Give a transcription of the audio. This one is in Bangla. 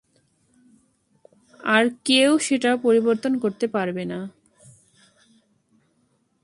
আর কেউ সেটা পরিবর্তন করতে পারবে না।